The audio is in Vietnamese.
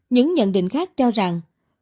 những nhận định khác cho rằng